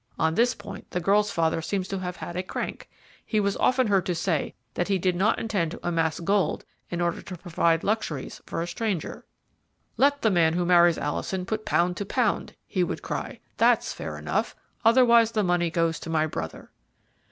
On this point the girl's father seems to have had a crank he was often heard to say that he did not intend to amass gold in order to provide luxuries for a stranger. "'Let the man who marries Alison put pound to pound,' he would cry; 'that's fair enough, otherwise the money goes to my brother.'